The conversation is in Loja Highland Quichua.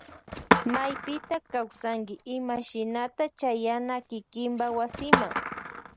Maypita kawsanki imashinata chayana kikinpa wasima.